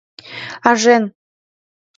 Ажен!..